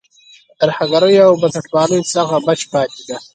له ترهګرۍ او بنسټپالۍ څخه بچ پاتې دی.